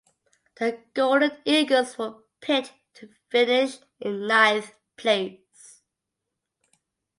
The Golden Eagles were picked to finish in ninth place.